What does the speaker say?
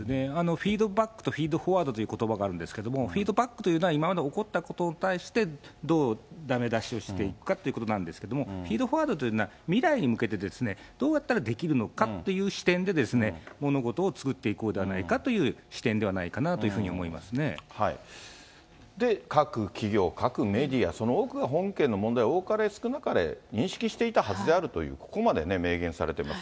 フィードバックとフィードフォワードということばがあるんですけれども、フィードバックというのは、今まで起こったことに対して、どうだめ出しをしていくかということなんですけど、フィードフォワードというのは、未来に向けてどうやったらできるのかっていう視点で物事を作っていこうではないかという視点ではないかなというふうには思います各企業、各メディア、その多くが本件の問題を多かれ少なかれ、認識していたはずであるという、ここまでね、明言されています。